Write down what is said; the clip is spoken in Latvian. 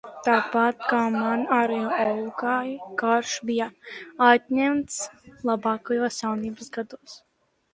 Tāpat, kā man, arī Olgai karš bija atņēmis labākos jaunības gadus.